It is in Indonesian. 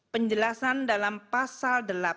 penjelasan dalam pasal delapan